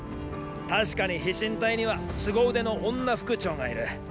たしかに飛信隊には凄腕の女副長がいる。